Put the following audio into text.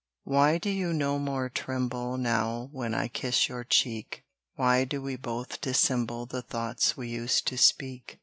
Why do you no more tremble Now when I kiss your cheek? Why do we both dissemble The thoughts we used to speak?